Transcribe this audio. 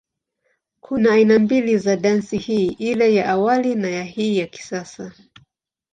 Kuna aina mbili ya dansi hii, ile ya awali na ya hii ya kisasa.